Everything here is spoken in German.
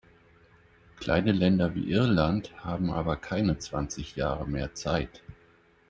Kleine Länder wie Irland haben aber keine zwanzig Jahre mehr Zeit!